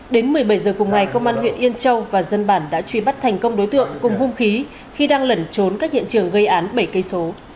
đến một mươi bảy h cùng ngày công an huyện yên châu và dân bản đã truy bắt thành công đối tượng cùng hung khí khi đang lẩn trốn các hiện trường gây án bảy km